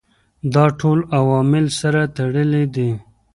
دا ټول عوامل سره تړلي دي.